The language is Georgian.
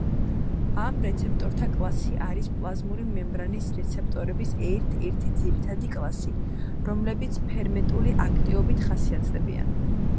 ამ რეცეპტორთა კლასი არის პლაზმური მემბრანის რეცეპტორების ერთ-ერთი ძირითადი კლასი, რომლებიც ფერმენტული აქტივობით ხასიათდებიან.